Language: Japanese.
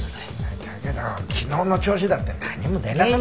だけど昨日の聴取だって何も出なかったし。